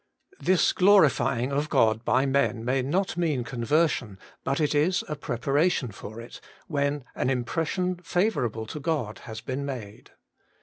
This glorifying of God by men may not mean conversion, but it is a preparation for it 1 8 Working for God when an impression favourable to God has been made.